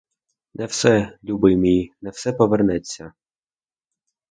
Не все, любий мій, не все повернеться.